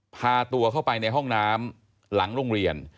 พาตัวเข้าไปในห้องน้ำหลังโรงเรียน